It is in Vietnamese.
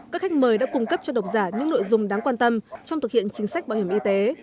các khách mời đã cung cấp cho độc giả những nội dung đáng quan tâm trong thực hiện chính sách bảo hiểm y tế